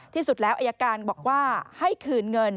ที่สุดแล้วอายการบอกว่าให้คืนเงิน